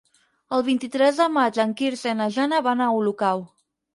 El vint-i-tres de maig en Quirze i na Jana van a Olocau.